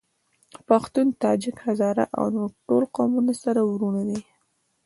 پښتون ، تاجک ، هزاره او نور ټول قومونه سره وروڼه دي.